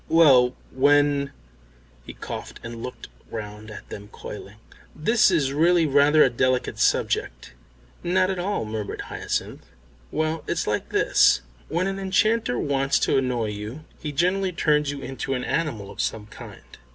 "Well, when " He coughed and looked round at them coyly. "This is really rather a delicate subject." "Not at all," murmured Hyacinth. "Well, it's like this. When an enchanter wants to annoy you he generally turns you into an animal of some kind."